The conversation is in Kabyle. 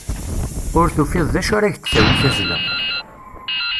Ur tufiḍ d acu ara k-d-tawi tazzla.